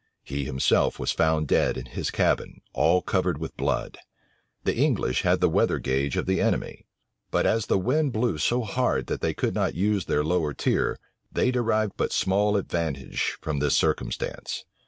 He himself was found dead in his cabin, all covered with blood. The English had the weather gage of the enemy; but as the wind blew so hard that they could not use their lower tier, they derived but small advantage from this circumstance.